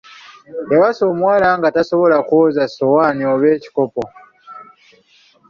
Yawasa omuwala nga tasobola kwoza ssowaanoi oba ekikopo.